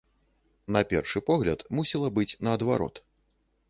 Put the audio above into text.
На першы погляд, мусіла быць наадварот.